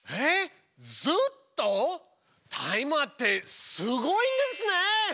タイマーってすごいんですね！